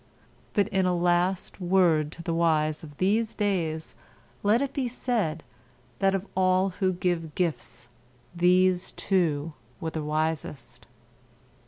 But in a last word to the wise of these days let it be said that of all who give gifts these two were the wisest.